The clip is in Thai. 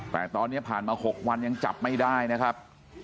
แต่ตอนนี้ผ่านมา๖วันยังจับไม่ได้นะครับ